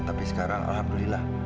tapi sekarang alhamdulillah